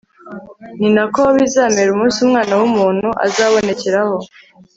ni na ko bizamera umunsi umwana w'umuntu azabonekeraho